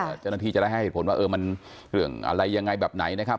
เจ้าหน้าที่จะได้ให้เหตุผลว่าเออมันเรื่องอะไรยังไงแบบไหนนะครับ